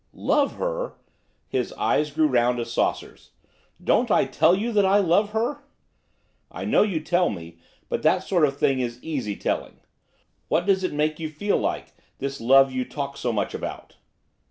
'Love her?' His eyes grew round as saucers. 'Don't I tell you that I love her?' 'I know you tell me, but that sort of thing is easy telling. What does it make you feel like, this love you talk so much about?